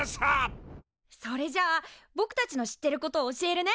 それじゃあぼくたちの知ってることを教えるね。